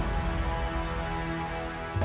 chủ nghĩa xã hội